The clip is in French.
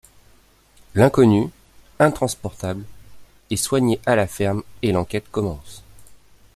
L'inconnu, intransportable, est soigné à la ferme et l'enquête commence.